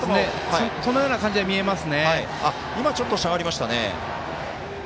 そのような感じに見えます。